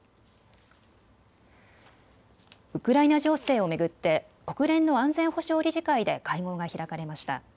ウクライナ情勢を巡って国連の安全保障理事会で会合が開かれました。